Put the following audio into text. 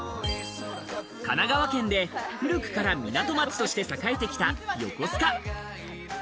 神奈川県で古くから港町として栄えてきた横須賀。